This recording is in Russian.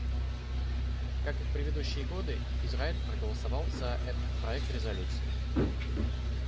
Как и в предыдущие годы, Израиль проголосовал за этот проект резолюции.